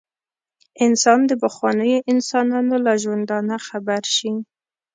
انسان د پخوانیو انسانانو له ژوندانه خبر شي.